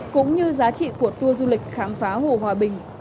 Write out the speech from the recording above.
cũng như giá trị của tour du lịch khám phá hồ hòa bình